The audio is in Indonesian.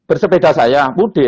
bersepeda saya pude